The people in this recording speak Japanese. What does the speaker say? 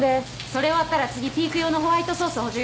それ終わったら次ピーク用のホワイトソース補充